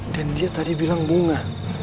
dan dia tadi bilang bunga